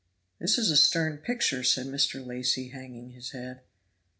"This is a stern picture," said Mr. Lacy, hanging his head.